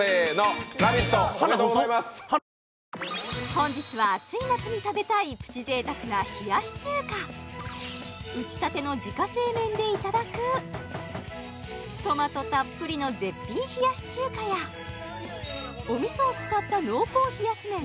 本日は暑い夏に食べたい打ち立ての自家製麺でいただくトマトたっぷりの絶品冷やし中華やお味噌を使った濃厚冷やし麺